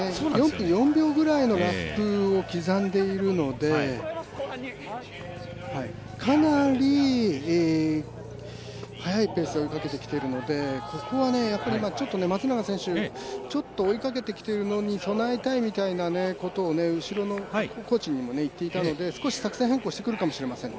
４分４秒ぐらいのラップを刻んでいるのでかなり速いペースで追いかけてきているのでここは松永選手追いかけてきてるのに備えたいみたいなことを後ろのコーチにも言っていたので少し作戦変更をしてくるかもしれません。